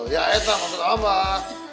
ya itu maksud abah